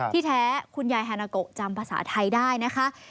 ที่แท้คุณยายฮานาโกจำภาษาไทยได้นะคะ